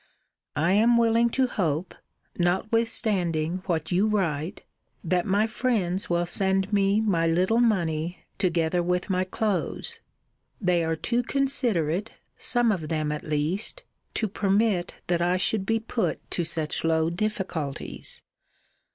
I am willing to hope (notwithstanding what you write) that my friends will send me my little money, together with my clothes. They are too considerate, some of them at least, to permit that I should be put to such low difficulties.